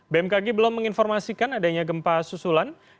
bmkg belum menginformasikan adanya gempa susulan